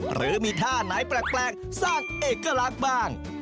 หรือมีท่าไหนแปลกสร้างเอกลักษณ์บ้าง